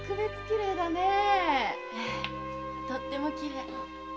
とってもきれい。